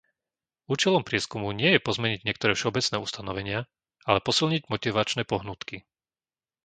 Účelom prieskumu nie je pozmeniť niektoré všeobecné ustanovenia, ale posilniť motivačné pohnútky;